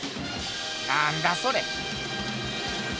なんだそれ？